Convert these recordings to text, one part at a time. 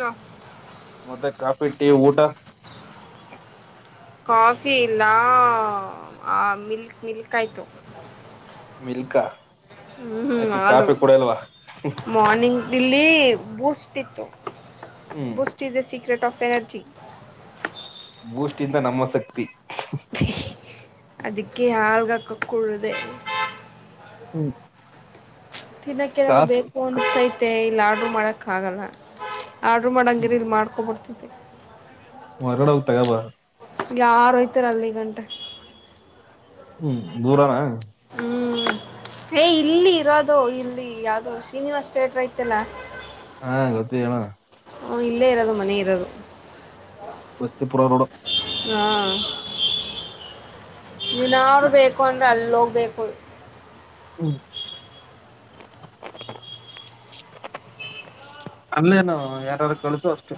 Hello. ಮತ್ತೆ coffee tea ಊಟಾ. Coffee ಇಲ್ಲ ಮಿಲ್ಕ್ ಮಿಲ್ಕ್ ಆಯ್ತು. ಮಿಲ್ಕ. ಹ್ಮ್ ಯಾಕೆ ಹಾಲು ಕಾಫಿ ಕುಡಲ್ವಾ ಮಾರ್ನಿಂಗ್ ಇಲ್ಲಿ ಬೂಸ್ಟ್ ಇತ್ತು. ಹ್ಮ್ Boost is the secret of energy. Boost ಇಂದ ನಮ್ಮ ಸಕ್ತಿ. [unintelligible] ಅದಕ್ಕೆ ಹಾಲ್ಗಕಕ್ ಕುಳ್ದೇ. ಹ್ಮ್. ತಿನ್ನಕ್ ಏನಾದ್ರು ಕಾಸು ಬೇಕು ಅನ್ಸ್ತೈತೆ ಇಲ್ ಆ ಏನು ಮಾಡೋಕ್ಕಾಗಲ್ಲ. ಆಡ್ರು ಮಾಡಂಗ್ ಇದಿದ್ರ್ ಮಾಡ್ಕೊ ಬಡ್ತಿತ್. [unintelligible] ಹೊರ್ಗಡೆ ಹೋಗ್ ತಗಬಾ. ಯಾರ್ ಹೊಯ್ತಾರ್ ಅಲ್ಲಿ ಗಂಟ. ಹ್ಮ್ ದೂರಾನ. ಹ್ಮ್ ಏ ಇಲ್ಲಿ ಇರೋದು ಇಲ್ಲಿ ಯಾವ್ದೋ ಶ್ರೀನಿವಾಸ್ ತೆಟ್ರ ಐತಲ್ಲ. ಹಾ ಗೊತ್ತು ಹೇಳು. ಹ ಇಲ್ಲೇ ಇರೋದು ಮನೆ ಇರೋದು. ಬಸ್ತಿಪುರ ರೋಡು. ಹಾ. ನೀನಾರು ಬೇಕು ಅಂದ್ರ್ ಅಲ್ಲೋಗ್ ಬೇಕೋಡ್. ಹ್ಮ್ ಅಲ್ಲೇನು ಯಾರಾರು ಕಳ್ಸು ಅಷ್ಟೇ.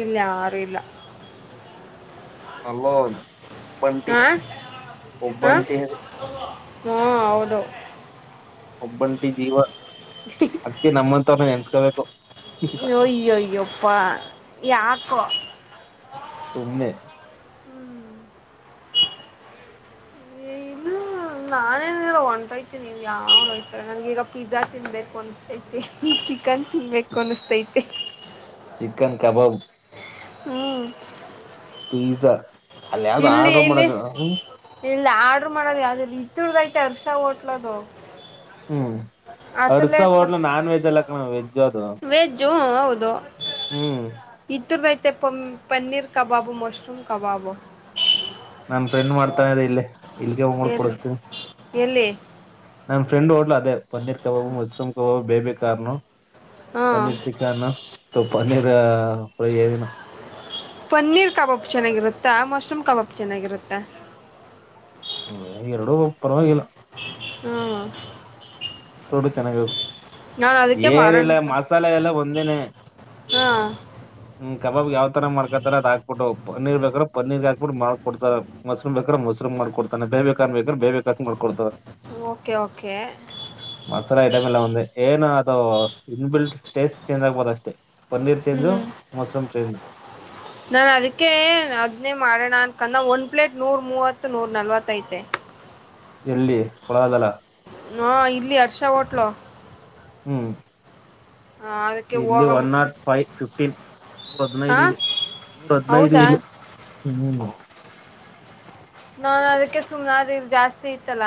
ಇಲ್ ಯಾರು ಇಲ್ಲ. ಅಲ್ಲೋನ್. ಹಾ ಹ. ಒಬ್ಬಂಟಿ ಹಾ ಹೌದು. ಒಬ್ಬಂಟಿ ಜೀವ ಅದ್ಕೆ ನಮ್ಮಂತ್ವರ್ನ ನೆನ್ಸ್ಕೊಬೇಕ್. ಹೊ ನ್ಯ್ಯಯ್ಯೊಪ್ಪ. ಯಾಕೋ. ಸುಮ್ನೆ. ಇಲ್ಲ ನಾನೇನಾರ ಹೊಂಟೈತೆ ನೀವ್ ಯಾವ್ ಹೋಯ್ತಾರೆ ನನ್ಗಿಗ ಪಿಜ್ಜಾ ತಿನ್ಬೇಕು ಅನುಸ್ತೈತಿ ಚಿಕನ್ ತಿನ್ಬೇಕು ಅಂತ ಅನುಸ್ತೈತೆ. ಚಿಕನ್ ಕಬಾಬ್. ಹ್ಮ್. ಪೀಝ. ಅಲ್ ಯಾವ್ದು ಆರ್ಡ್ರ ಮಾಡೋದು ಹ್ಮ. ಇಲ್ ಆರ್ಡ್ರ ಮಾಡೋದು ಯಾವ್ದ ಇದ್ರುದ್ ಐತೆ ಹರ್ಷ ಹೋಟ್ಲದು. ಹ್ಮ್ ಅರ್ಸಾ ಅದ್ರಲ್ಲೇನು ಹೋಟ್ಲು ಗೊತ್ತ ನಾನ್ವೆಜ್ಜ್ ಎಲ್ಲ ಕಣ ವೆಜ್ಜ್ ಅದು ವೆಜ್ಜು ಹೌದು ಹ್ಮ್. ತೆ ಪಮ್ ಪನ್ನೀರ್ ಕಬಾಬು ಮಶ್ರುಮ್ ಕಬಾಬು. ನನ್ ಫ್ರೆಂಡ್ ಮಾಡ್ತಾನೆ ಅದೆ ಇಲ್ಲೇ ಇಲ್ಗೆ ಬಂಬುಡ್ ಎಲ್ಲಿ ಕುಡುಸ್ತೀನಿ. ಎಲ್ಲಿ ನನ್ನ ಫ್ರಂಡ್ ಹೊಟ್ಲು ಅದೆ. Paneer kebab mushroom kebab baby corn. ಹಾ ಪನ್ನೀರ್ ಚಿಕನ್ ತು ಪನ್ನೀರ್ ಫ್ರೈ ಏನು. ಪನ್ನೀರ್ ಕಬಾಬ್ ಚೆನ್ನಾಗಿರುತ್ತಾ ಮಶ್ರೂಮ್ ಕಬಾಬ್ ಚೆನ್ನಾಗಿರುತ್ತಾ- ಹ ಎರಡು ಪರವಾಗಿಲ್ಲ ಹ್ಮ್ ಎರಡು ಚೆನ್ನಾಗಿರುತ್ತೆ ನಾನು ಅದಕ್ಕೆ ಏನಿಲ್ಲ ಮಾಡೋಣ ಮಸಾಲೆ ಎಲ್ಲ ಒಂದೇನೆ. ಹಾ. ಹ್ಮ್ ಕಬಾಬ್ ಯಾವ್ ತರ ಮಾಡ್ಕತಾರೆ ಅದ ಹಾಕ್ಬಿಟ್ಟು ಪನೀರ್ ಬೇಕ್ರ ಪನ್ನೀರ್ ಹಾಕ್ಬಿಟ್ಟು ಮಾಡ್ಕೊಡ್ತಾರೆ ಮಶ್ರೂಮ್ ಬೇಕಾದರೆ ಮಶ್ರೂಮ್ ಮಾಡ್ ಕೊಡ್ತನೇ ಬೇಬಿ ಕಾರ್ನ್ ಬೇಕು ಆದರೆ ಅದೇ ಮಾಡಿ ಕೊಡ್ತಾರೆ ಓಕೆ ಓಕೆ ಮಸಾಲ ಐಟಮ ಎಲ್ಲ ಒಂದ ಏನೋ. [unintelligible] ಇನ್ ಬಿಲ್ಟ್ ಟೇಸ್ಟ್ ಚೇಂಜ್ ಆಗಬಹುದು ಅಷ್ಟೇ ಪನ್ನೀರ್ ಚೇಂಜ್ ಹ್ಮ್ ಮಶ್ರೂಮ್ ನಾನು ಅದಕ್ಕೆ ಅದನ್ನೇ ಮಾಡೋಣ ನೋಡ್ಕಣ್ಣ ಒಂದ್ ಪ್ಲೇಟ್ ನೂರ್ ಮೂವತ್ತು ನೂರ್ ನಲ್ವತ್ತ ಐತೆ ಎಲ್ಲಿ ಕೊಡಲ್ಲ ಅಲ್ಲ ಹಾ ಇಲ್ಲಿ ಹರ್ಷಾ ಹೋಟ್ಲು ಹ್ಮ್. ಅದಕ್ಕೆ ಇಲ್ಲಿ ಒನ್ ಹೋಗಂಬಿಟ್ಟು ನಾಟ್ ಫೈವ್ ಫಿಫ್ಟೀನ್ ನೂರ ಹಾ ಹದಿನೈದು ಇಲಿ ನೂರ ಹದಿನೈದು ಹೌದಾ ಇಲಿ ಹ್ಮ ನಾನ ಅದಕ್ಕೆ ಸುಮ್ನೆಾದಿ ಜಾಸ್ತಿ ಇತ್ತಲ್ಲ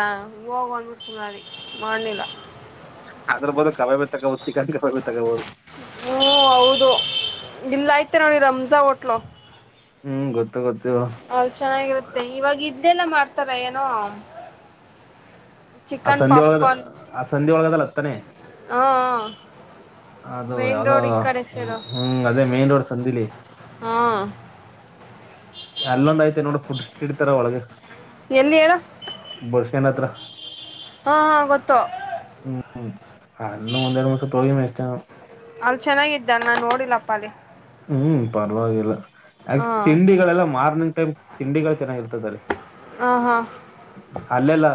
ಹೋಗ್ ಅಂದ್ಬುಟ್ ಸುಮ್ಮನಾದೆ ಮಾಡಲಿಲ್ಲ. ಅದ್ರು ಬದ್ಲು ಕಲವೆ ಚಿಕನ್ ಕಬಾಬೆ ತಗೋಬೋದು. ತ್ತೆ ನೋಡಿ ರಮ್ಜಾ ಹೋಟ್ಲು. ಹ್ಮ್ ಗೊ ಅಲ್ ಚೆನ್ನಾಗಿರುತ್ತೆ ಇವಾಗ ಇದ್ದೆಲ್ಲ ಮಾಡ್ ತ್ತವೆ ಏನೋ ಆ ಚಿಕನ್ ಸಂಧಿ ಒಳಗದ ಪಾಪ್ಕಾರ್ನ್ ಆ ಸಂಧಿ ಒಳಗದಲ್ಲ. ತಾನೇ ಹಾ ಅದು ಮೇನ್ ಯಾವದೋ ರೋಡ್ ಈ ಕಡೆ ಸೈಡು ಹ್ಮ್ ಅದೇ ಮೇನ್ ರೋಡ್ ಸಂದಿಲಿ ಹಾ ಅಲ್ಲೊಂದ ಐತೆ ನೋಡು. ಫುಡ್ ಸ್ವೀಟ್ ತರ ಒಳಗೆ. ಎಲ್ಲಿ ಹೇಳು ಕೆನ್ ಹತ್ರ ಹ್ಮ್ ಹ್ ಅಲ್ಲೂ ಒಂದೆರಡು ಮೂರು ಸುತ್ ಹೋಗಿವಿ. [unintelligible] ಅಲ್ ಚೆನ್ನಾಗಿದ್ದ ನಾನ್ ನೋಡಿಲಪ್ಪ ಅಲ್ಲಿ. ಹ್ಮ್ ಪರವಾಗಿಲ್ಲ. ಆಕ್ಚ ಹಾ ತಿಂಡಿಗಳೆಲ್ಲ ಮಾರ್ನಿಂಗ್ ಟೈಮ್ ತಿಂಡಿಗಳು ಚೆನ್ನಾಗಿರ್ತದಲ್ಲಿ ಹಾ ಹಾ ಅಲ್ಲೆಲ್ಲ.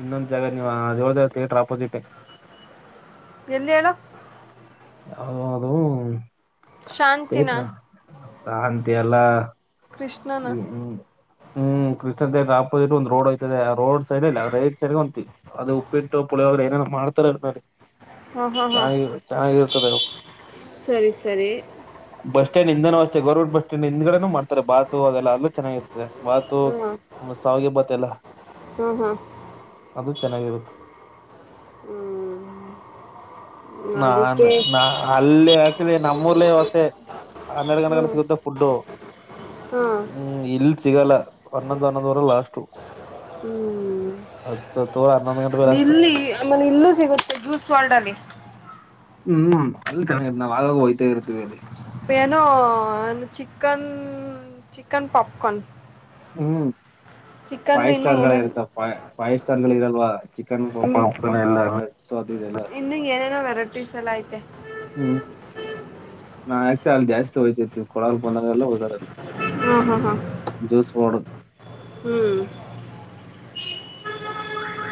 ಇನ್ನೊಂದ್ ಜಾಗ ನೀವ್ ಆದೋವ್ದಿ ಥಿಯೇಟ್ರ ಆಪೋಸಿಟ್. ಎಲ್ಲಿ ಹೇಳು. ಯಾವ್ದು. ಶಾಂತಿನ. ಶಾಂತಿ ಅಲ್ಲ. ಕೃಷ್ಣನ. ಹ್ಮ್ ಕೃಷ್ಣಥೆಟ್ರ ಆಪೋಸಿಟ್ ಒಂದು ರೋಡ್ ಹೊಯ್ತದೆ ಆ ರೋಡ್ ಸೈಡ್ ಇಲ್ಲಿ ರೈಟ್ ಸೈಡ್ ಹೊಂತ ಅದು ಉಪ್ಪಿಟ್ಟು ಪುಳಿಯೋಗ್ರ ಏ ಮಾಡ್ತಾರ್ಲ್ ಸಾರಿ. ಹಾ ಹಾ ಹಾ ಚನ್ನಾಗಿರ್ ಚೆನ್ನಾಗಿರ್ತದೆ ಸರಿ ಸರಿ ಬಷ್ ಸ್ಟ್ಯಾಂಡ್ ಹಿಂದೇನು ಅಷ್ಟೇನೆ ಗೌರ್ಮಂಟ್ ಬಸ್ ಸ್ಟ್ಯಾಂಡ ಹಿಂದ್ಗಡೆನು ಮಾಡ್ತಾರೆ ಬಾತ್ ತು ಅದ್ ಎಲ್ಲಾ ಅಲ್ಲೂ ಚೆನ್ನಾಗ್ ಇರುತ್ ದೆ ಬಾತು ಹಾ ಆಮೇಲ್ ಶಾವ್ಗೆ ಬಾತ್ ತೆಲ್ಲ. ಹಾ ಹಾ ಅದು ಚೆನ್ನಾಗಿರುತ್ತೆ. ಹ್ಮ್ ಅದಕ್ಕೆ ನಾನು ನ ಅಲ್ಲೆ ಆಕ್ಚುಲಿ ನಮ್ಮೂರ್ಲ್ಲೇ ಹೊಸೆ ಹನ್ನೆರ್ಡ್ ಗಂಟೆಗನ ಹ್ಮ್ ಸಿಗುತ್ತೆ ಫುಡ್ಡು. ಹಾ ಹ್ಮ್ ಇಲ್ ಸಿಗಲ್ಲ. ಹನ್ನೊಂದ್ ಹನ್ನೊಂದುವರೆ ಲಾಸ್ಟು. ಹ್ಮ್ ಹತ್ ಹತ್ ಇಲ್ಲಿ ಆಮೇಲೆ ಇಲ್ಲೂ ಸಿಗುತ್ತೆ ಜ್ಯೂಸ್ ವಾರ್ಡಲ್ಲಿ. ಹ್ಮ್ ಅಲ್ ಕಣೆ ನಾವ್ ಆಗಾಗ್ ಹೋಯ್ತಾ ಇರ್ತೀವಿ ಅಲ್ಲಿ. ಏನೋ ಚಿಕನ್ ಚಿಕನ್ ಪಾಪ್ ಕಾರ್ನ್. ಹ್ಮ್ ಫೈವ್ ಏನೇನ್ ಸ್ಟಾರ್ಗಳಿರುತ್ತಪ್ಪ ಫೈವ್ ಸ್ಟಾರ್ಗಳಿರಲ್ವಾ ಚಿಕನ್ ಹ್ಮ್ ಪಾಪ್ಕಾರ್ನ್ ಎಲ್ಲ ಸೋ ಅದು ಇದೆಲ್ಲ. ಇನ್ನು ಏನೇನೋ ವೆರೈಟೀಸ್ ಎಲ್ಲ ಐತೆ ಹ್ಮ್ ನಾ ಆಕ್ಚುಲ್ಲಿ ಅಲ್ ಜಾಸ್ತಿ ಹೋಯ್ತಿತ್ತು ಕೊಳಲ್ ಬಂದೋರೆಲ್ಲ ಎಲ್ಲ ಹೋದಾರಲ್ಲಿ. ಹಾ ಹಾ ಹಾ ಜ್ಯೂಸ್ ವಾಡು ಹ್ಮ್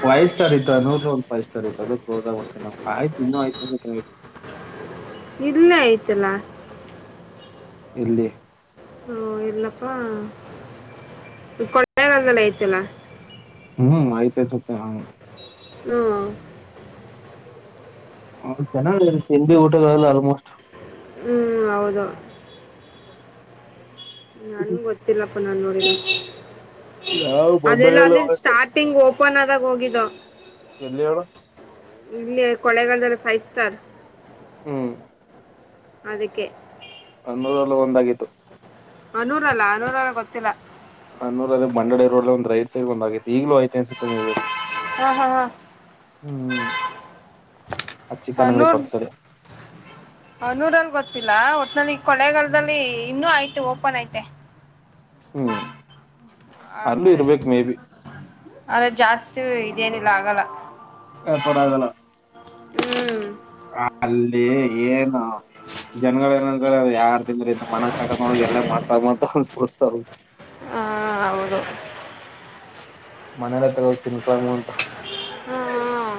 ಫೈವ್ ಸ್ಟಾರ್ ಇತ್ತ ನೂರ್ ನೂರ್ ಫೈವ್ ಸ್ಟಾರ್ ಇತ್ತು. ಅದುಕ್ ಕ್ಲೋಸ್ ಆಗ್ಬಿಡ್ತೀವ್ ನಾವ್ ಆಯ್ತ್ ಇನ್ನು ಆಯ್ತಂದ ಇಲ್ಲೇ ಐತಲ್ಲ [unintelligible] ಇಲ್ಲಿ. ಹೂಂ ಎಲ್ಲಪ್ಪಾ ಕೊಳ್ಳೆಗಾಲದಲ್ ಐತಲ್ಲ. ಹ್ಮ್ ಆಯ್ತ್ [unintelligible] ಊಂ. ಹ್ಮ್ ಚೆನ್ನಾಗಿದೆ ತಿಂಡಿ ಊಟಗಳೆಲ್ಲ ಆಲ್ಮೋಸ್ಟ್. ಹ್ಮ್ ಹೌದು. ನನ್ಗ್ ಗೊತ್ತಿಲ್ಲಪ್ಪ ನಾನೋ [unintelligible] ನಾವು ಬಂದಾಗೆಲ್ಲ [unintelligible] ಪನ್ನಾದಾಗ್ ಹೋಗಿದ್ದು. ಎಲ್ಲಿ ಹೇಳು ಇಲ್ಲಿ ಕೊಳೆಗಾಲದಲ್ಲಿ ಫೈವ್ ಸ್ಟಾರ್ ಹ್ಮ್ ಅದಿಕ್ಕೆ ಅನ್ನೂರಲ್ಲಿ ಒಂದಾಗಿತ್ತು ಅನೂರ ಅಲ್ಲ ಅನೂರಲ್ ಗೊತ್ತಿಲ್ಲ. ಹನ್ನೂರಲ್ಲಿ ಮಂಡಳಿ ರೋಡ್ಲಿ ಒಂದು ರೈಟ್ ಸೈಡ್ಗ್ ಒಂದಾಗೈತಿ ಈಗ್ಲೂ ಐತೆ ಅನ್ಸುತ್ತೆ ಮೇ ಬಿ ಅದ್ ಹಾ ಹಾ ಹಾ ಆ ಚಿಕನ್ ಅಂಗಡಿ ಹನೂರ್ ಪಕ್ಕದಲ್ಲಿ ಹನ್ನೂರಲ್ ಗೊತ್ ತ್ತಿಲ್ಲ ಒಟ್ನಲ್ಲಿ ಕೊಳೆಗಾಲದಲ್ಲಿ ಇನ್ನು ಆಯ್ ಟ್ ಓಪನ್ ಐತೆ. [inaudible] ಅಲ್ಲಿ ಇರ್ಬೇಕ್ ಮೇ ಬಿ. ಅರೆ ಜಾಸ್ ತು ಇದೇನಿಲ್ಲ ಆಗಲ್ಲ. ಹ್ಮ್ ಹ ಅಲ್ಲಿ ಏನು ಜನಗಳ ಏನಗಳ್ ಯಾರ್ ತಿಂದ್ರ ಇನ್ನು ಮನಗ್ ತಗೊಂಡ ಹೋಗಿ ಎಲ್ಲ ಮಾಟಮಂತ್ರ ಅನ್ಸ್ಬಿಡ್ತವ್. ಹಾ ಹೌದು ಮನೆಲೆ ತಗೋ ಹೋಗ್ ತಿನ್ಕಂಬಂದ್ ಹ್ಮ್ ಹ್ಮ್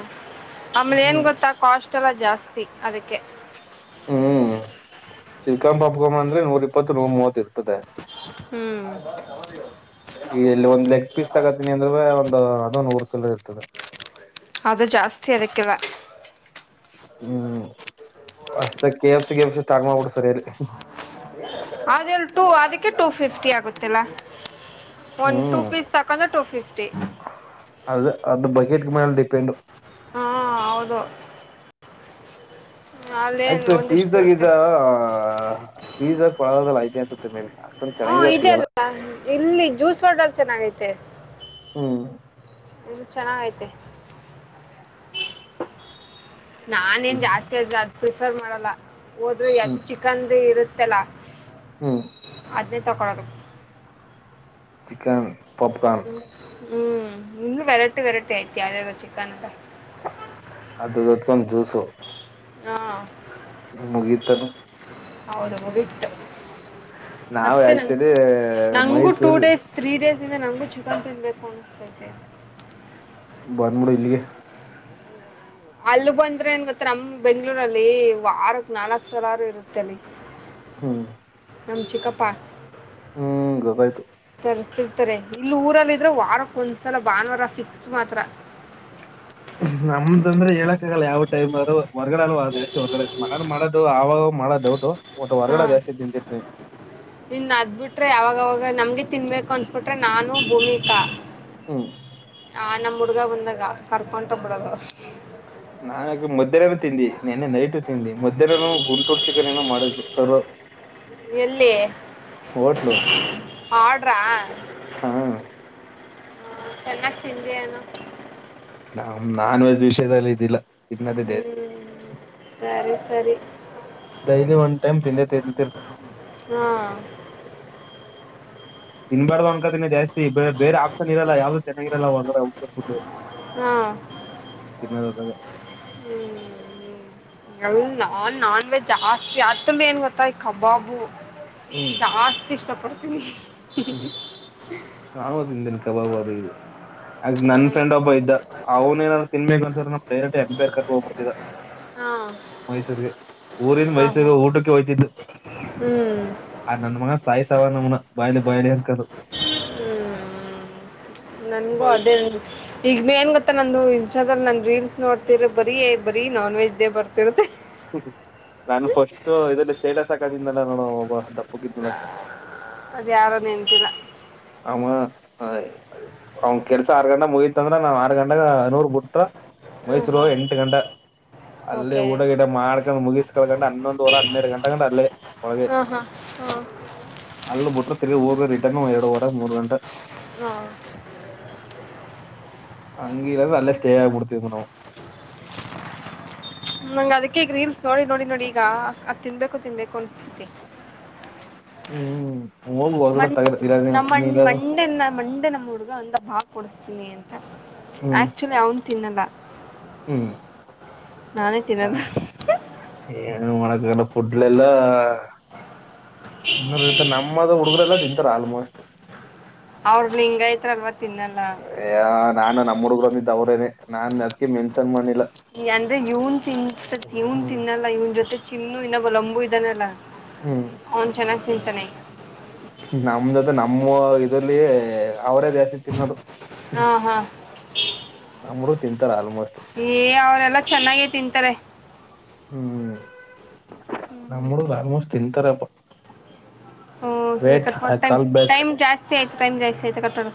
ಆಮೇಲೆನ್ ಹ್ಮ್. ಗೊತ್ತಾ ಕಾಸ್ಟ್ ಎಲ್ಲಾ ಜಾಸ್ ಸ್ತಿ ಅದಕ್ಕೆ ಹ್ಮ್ ಶ್ರೀಕಾ ಪಾಪ್ಕಮ್ಮ ಅಂದ್ರೆ ನೂರ್ ಇಪ್ಪತ್ ನೂರ್ ಮೂವತ್ ಇರ್ತದೆ. ಈ ಇಲ್ಲಿ ಒಂದ್ ಲೆಗ್ ಪೀಸ್ ತಗೋತೀನಿ ಅಂದ್ರೆ ಹ್ಮ್ ಒಂದು ಅದು ನೂರತ್ತಲೆ ಇರ್ತದೆ. ಅದು ಜಾಸ್ತಿ ಅದಕ್ಕಿಲ ಹ್ಮ್ ಹೊಸ್ದಾಗ್ ಕೆ ಎಫ್ ಸಿ ಗಿ ಎಫ್ ಸಿ ಸ್ಟಾರ್ಟ್ ಮಾಡ್ಬಿಟ್ರೆ ಸರಿ ಅಲ್ಲಿ ಅದೆಲ್ ಟೂ ಅದಿಕ್ಕೆ ಟೂ ಫಿಫ್ಟಿ ಆಗುತ್ತಲ್ಲ. ಒಂದ್ ಟೂ ಹ್ಮ್ ಪೀಸ್ ತಕಂದ್ರೆ ಟೂ ಫಿಫ್ಟಿ. ಕಕಿಟ್ ಮೇಲೆ ಡಿಪೆಂಡು ಹಾ ಹೌದು ಅಲ್ಲೇನು ಆತ್ತು ಒಂದಿಷ್ಟು ಪಿಜಾ ಇರುತ್ತೆ ಗಿಜಾ ಪಿಜ ಕೊಳಗಳ ಐತೆ ಅನ್ನ್ಸುತ್ತೆ ಮೇಲೆ ಹಓ ಇದೆ ಅಲ್ಲ ಇಲ್ಲಿ ಜ್ಯೂಸ್ ಬಾಟಲ್ ಚೆನ್ನಾಗೈತಿ ಸೀತೆ ಹ್ಮ ಹ್ಮ್ ಚನ್ನಾಗೈತೆ ನಾನೇನ್ ಜಾಸ್ತಿ ಅದಗ್ ಸರ್ ಮಾಡಲ್ಲ ಹೋದ್ರೆ ಎಗ್ ಹ್ಮ್ ಚಿಕನ್ ಇರುತ್ತೆ ಆಯ್ತಲಾ ಹ್ಮ್ ಅದನ್ನೇ ತೊಗೊಳೋದು ಚಿಕನ್ ಪಾಪ್ಕಾರ್ನ್ ಹ್ಮ್ ಹ್ಮ್ ಇನ್ನು ವೆರೈಟಿ ವೆರೈಟಿ ಐತಿ ಯಾವ್ದು ಯಾವ್ದು ಚಿಕನ್ ಅಂತ ಅದು ಗತ್ಕೊಂಡ ಜೂಸು ಹಾ ಮುಗಿತನು ಹೌದು ಮುಗಿತ್ತ ನಾವು ಆಕ್ಚುಲಿ ಮೈಸೂರಿ ನಮಗೂ ಚಿಕನ್ ತಿನ್ಬೇಕು ಅನಿಸ್ತೈತೆ ಬಂದ್ಬಡು ಇಲ್ಲಿಗೆ ಅಲ್ಲಿ ಬಂದ್ರೆ ಏನ್ ಗೊತ್ತ ನಮ್ ಬೆಂಗ್ಳೂರಲ್ಲಿ ವಾರ ನಾಲ್ಕ್ ಸರಾರು ಇರುತ್ತೆ ಅಲ್ಲಿ ಹ್ಮ್ ನಮ್ ಚಿಕ್ಕಪ್ಪ ಹ್ಮ್ ಗೊತ್ತ ಆಯ್ತು ತಿಂತಿರ್ತಾರೆ ಇಲ್ಲಿ ಊರಲ್ಲಿ ಇದ್ರೆ ವಾರಕ್ ಒಂದ್ಸಲ ಭಾನುವಾರ ಫಿಕ್ಸ್ ಮಾತ್ರ ನಮ್ದಂದ್ರೆ ಹೇಳಕ್ ಆಗಲ್ಲ ಯಾವ ಟೈಮರು ಹೊರ್ಗಡೆಲ್ಲ ಜಾಸ್ತಿ ಹೊರ್ಗಡೆ ಮನೇಲಿ ಮಾಡೋದು ಆಗಾಗ ಮಾಡೋದೌಟು ಒಟ್ ಹಾ ಹೊರ್ಗಡೆ ಜಾಸ್ತಿ ತಿಂತಿರ್ತೀನಿ ಇನ್ ಅದ್ ಬಿಟ್ರೆ ಯಾವಾಗವಾಗ ನಮ್ಗೆ ತಿನ್ಬೇಕು ಅನ್ಬಿಟ್ರೆ ನಾನು ಭೂಮಿಕಾ ಹ್ಮ್ ಆ ನಮ್ಮ ಹುಡುಗ ಬಂದಾಗ ಕರ್ಕೊಂಡ ಹೋಗಿಬಿಡದು ನಾ ಮಧ್ಯಾಹ್ನನು ತಿಂದಿ ನಿನ್ನೆ ನೈಟ್ ತಿಂದಿ ಮಧ್ಯಾಹ್ನ ಗುಂಟೂರು ಚಿಕನ್ ಏನೋ ಮಾಡಿದ್ರು ಸರ್ವ ಎಲ್ಲಿ ಹೋಟ್ಲು ಆರ್ಡ ಹ ಹಾ ಚನ್ನಾಗಿ ತಿಂದೀ ಏನು ನ ನಾನ್ ವೆಜ್ ವಿಷಯದಲ್ಲಿ ಇದ್ದಿಲ್ಲ ಹ್ಮ್ ಸರಿ ಸರಿ ಡೈಲಿ ಒನ್ ಟೈಮ ತಿಂದೆ ತಿಂದಿರ್ತೀನಿ ಹಾ ತಿನ್ಬಾರ್ದು ಅನ್ನೋ [unintelligible] ಜಾಸ್ತಿ ಬೇರೆ ಆಪ್ಷನ್ ಇರಲ್ಲ ಯಾವ್ದ ಚೆನ್ನಾಗಿರಲ್ಲ ಅಂದ್ರೆ ಔಷ ಬಿಟ್ಟು ಹ್ಮ ತಿನ್ನದಾಗ ಹ್ಮ ನನ್ ನಾನ್ವೆಜ್ ಜಾಸ್ತಿ ಅತ್ರಲ್ಲಿ ಏನ್ ಗೊತ್ತಾ ಈ ಕಬಾಬು ಜಾಸ್ತಿ ಇಷ್ಟಪಡ್ [inaudible] ಹ್ಮ ನಾನು ತಿಂದಿನಿ ಕಬಾಬ ಅದ ಇದು ನನ್ ಫ್ರೆಂಡ್ ಒಬ್ಬ ಇದ್ದ ಅವನ ಏನಾದಾರರು ತಿನ್ಬೇಕನ್ಸಿದ್ರೆ ನಮ್ ಡೈರೆಕ್ಟ್ ಎಂಪೈರ್ ಹೋಗ್ ಬಿಡ್ತಿದ್ದ ಹಾ ಮೈಸೂರಿಗೆ ಊರಿಂದ ಹಾ ಮೈಸೂರಿಗೆ ಊಟಕ್ಕೆ ಹೋತಿದ್ದು ಹ್ಮ್ ಆ ನನ್ ಮಗಸ್ ಸಾಯ ಸಾವ ನಮ್ನ ಬಾಯಲು ಬಾಯಲೆ ಹೆ ಅನ್ ಕಂಡು ಹ್ಮ್ ನನ್ಗೂ ಅದೇ ಈಗ ಏನ್ ಗೊತ್ತ ನಂದು ಟ ನನ್ ರೀಲ್ಸ್ ನೋಡ್ತಿರ ಬರಿ ಇ ಬರಿ ನಾನ್ ನಾನ್ವೆನ್ ಹೇ ಬರ್ತಿರುತ್ತೆ ಮ್ಮ್ ನಾನು ಫಸ್ಟ್ ಇದಲ್ಲಿ ಸ್ಟೇಟಸ್ ಹಾಕದಿಂದನಲ್ಲ ನೋಡ ಒಬ್ಬ ದಪ್ಪಕ್ಕಿದನಲ್ಲ ಯಾರು ನಿಂತಲ್ಲ ಆ ಅವನ್ ಕೆಲ್ಸ ಆರ್ ಗಂಟ ಮುಗತ್ ಅಂದ್ರ ನಾನ್ ಆರ್ ಗಂಟಾಗ ನೂರ್ ಬಿಟ್ಟ ಟ ಹ್ಮ್ ಮೈಸೂರು ಹೋಗ ಹ್ಮ್ ಎಂಟು ಗಂಟ ಅಲ್ಲಿ ಓಕೆ ಊಡ ಗಿಡ ಮಾಡ್ಕೊಂಡು ಮುಗಿಸಕಳ್ಕಂಡ ಹನ್ನೊಂದಊರ ಹನ್ನೆರಡು ಗಂಟೆ ಗಂಡ ಅಲ್ಲಿ ಒಳಗೆ ಹಾ ಹಾ ಹಾ ಅಲ್ಲಿ ಬಿಟ್ರೆ ತಿರ್ಗಿ ಹೋಗ ತ ಮೂರು ಗಂಟೆ ಹಾ ಅಂಗಲ್ಲ ನಲ್ಲ ಸ್ಟೇಯಾ ಕುತಂದನ ನಂಗ ಅದಕ್ಕೆ ಗ್ರೀನ್ ನೋಡಿ ನೋಡಿ ನೋಡಿ ಈಗ ಅದು ತಿನ್ಬೇಕು ಕೂ ತಿನ್ಬೇಕು ಅನ್ನಿಸ್ತೈತಿ ಹ್ಮ್ ಹೋಗಿ ಹೊರಗಡೆ ಮ್ ತಗದ ಇಲ್ಲ ನಮ್ಮ್ ನೀನು ಮಂಡೆ ಮಂಡೆ ನಮ್ಮ ಹುಡುಗ ಅಂದ ಭಾ ಕೊಡಿಸ್ತೀನಿ ಹ್ಮ್ ಆಕ್ಚುಲಿ ಅವನ್ ತಿನ್ನಲ್ಲ ಹ್ಮ್ ನಾನೇ ತಿನದು ಏನು ಮಾಡಕಂಡ ಫುಡ್ಲೆಲ್ಲಾ ಇನ್ನ ಇರ್ತಾರೆ ನಮ್ಮದ ಹುಡುಗರೆಲ್ಲ ತಿಂತಾರ ಆಲ್ಮೋಸ್ಟ್ ಅವ್ರ ಲಿಂಗೈತ್ರಲ್ವಾ ತಿನ್ನಲ್ಲ ಅ ನಾನು ನಮ್ಮ ಹುಡ್ಗ್ರೊಂದಿದ್ದ ಅವ್ರೇನೆ ನಾನ್ ಅದ್ಕೆ ಮೆನ್ಷನ್ ಮ್ ಅಂದ್ರೆ ಇವನ್ ತಿನ್ಸತಿ ಇವನ್ ಹ್ಮ್ ತಿನ್ನಲ್ಲ ಇವನ್ ಜೊತೆ ಚಿನ್ನು ಇನ್ನೊಬ್ಬ ಲಂಬು ಇದಾನಲ್ಲ. ಹ್ಮ್ ನಮ್ಗದು ನಮ್ಮೋ ಇದು ಅಲ್ಲೀ ಅವರೇ ಜಾಸ್ತಿ ತಿನ್ನೋದು ಹಾ ಹಾ ನಮ್ ಹುಡುಗ್ ತಿಂತಾರ್ ಆಲ್ಮೋ ಏ ಅವರೆಲ್ಲಾ ಚೆನ್ನಾಗೇ ತಿಂತಾರೆ. ಹ್ಮ್ ನಮ್ ಹುಡುಗ್ರ್ ಆಲ್ಮೋಸ್ ತಿಂತಾರಪ್ಪ. ಊಂ ಸರಿ ವೇಟ್ ಕಟ್ ಐ ಮಾಡ್ ಟೈಮ್ ಕಾಲ್ ಬ್ಯಾಕ್ ಟೈಮ್ ಜಾಸ್ತಿ ಆಯ್ ತ್ ಟೈಮ್ ಜಾಸ್ತಿ ಆಯ್ತು ಕಟ್ ಮಾಡು.